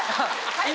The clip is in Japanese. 今？